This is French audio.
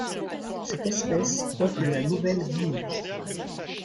Cette espèce peuple la Nouvelle-Guinée.